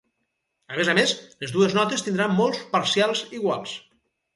A més a més, les dues notes tindran molts parcials iguals.